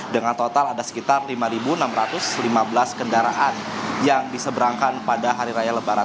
dengan total ada sekitar lima enam ratus lima belas kendaraan yang diseberangkan pada hari raya lebaran